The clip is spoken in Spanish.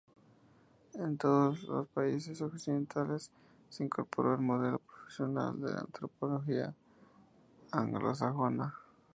En todos los países occidentales se incorporó el modelo profesional de la Antropología anglosajona.